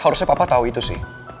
harusnya papa tahu itu sih